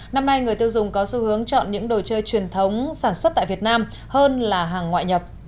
năm nay người tiêu dùng có xu hướng chọn những đồ chơi truyền thống sản xuất tại việt nam hơn là hàng ngoại nhập